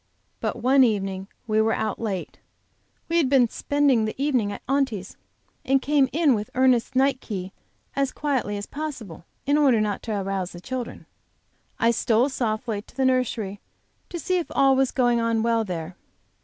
But one night we were out late; we had been spending the evening at Aunty's, and came in with Ernest's night key as quietly as possible, in order not to arouse the children. I stole softly to the nursery to see if all was going on well there.